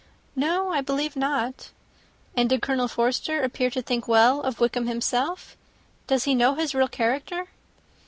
"No, I believe not." "And did Colonel Forster appear to think ill of Wickham himself? Does he know his real character?"